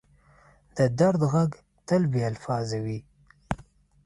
د درد ږغ تل بې الفاظه وي.